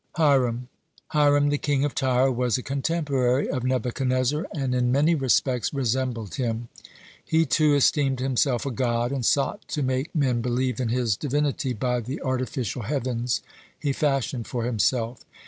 (104) HIRAM Hiram, the king of Tyre, was a contemporary of Nebuchadnezzar, and in many respects resembled him. He, too, esteemed himself a god, and sought to make men believe in his divinity by the artificial heavens he fashioned for himself.